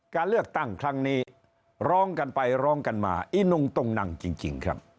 การเลือกตั้งครั้งนี้ร้องกันไปร้องกันมาอีนุงตรงนังจริงครับ